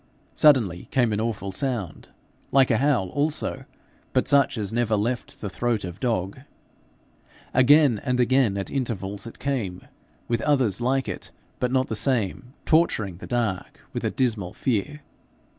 Suddenly came an awful sound like a howl also, but such as never left the throat of dog. Again and again at intervals it came, with others like it but not the same, torturing the dark with a dismal fear.